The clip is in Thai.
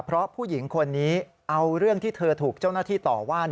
เพราะผู้หญิงคนนี้เอาเรื่องที่เธอถูกเจ้าหน้าที่ต่อว่า